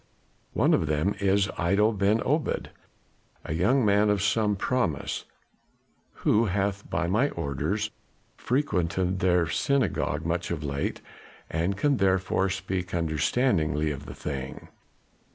One of them is Iddo Ben Obed a young man of some promise, who hath by my orders frequented their synagogue much of late, and can therefore speak understandingly of the thing.